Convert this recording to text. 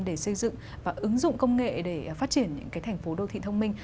để xây dựng và ứng dụng công nghệ để phát triển những thành phố đô thị thông minh